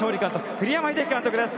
栗山英樹監督です。